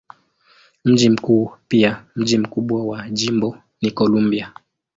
Mji mkuu pia mji mkubwa wa jimbo ni Columbia.